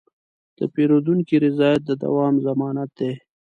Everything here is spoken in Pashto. د پیرودونکي رضایت د دوام ضمانت دی.